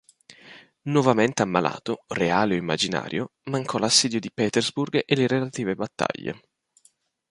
Nuovamente ammalato, reale o immaginario, mancò l'Assedio di Petersburg e le relative battaglie.